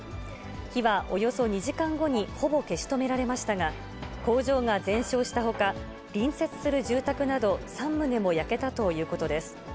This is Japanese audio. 火はおよそ２時間後にほぼ消し止められましたが、工場が全焼したほか、隣接する住宅など３棟も焼けたということです。